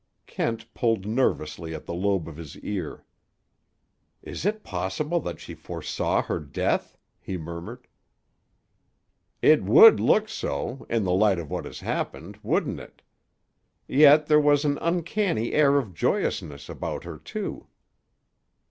'" Kent pulled nervously at the lobe of his ear. "Is it possible that she foresaw her death?" he murmured. "It would look so, in the light of what has happened, wouldn't it? Yet there was an uncanny air of joyousness about her, too."